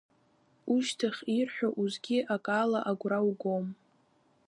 Ушьҭахь ирҳәо усгьы акала агәра угом.